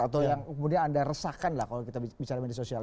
atau yang kemudian anda resahkan lah kalau kita bicara media sosial